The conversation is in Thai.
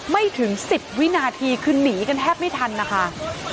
ไม่ถึง๑๐วินาทีคือหนีกันแทบไม่ทันนะคะ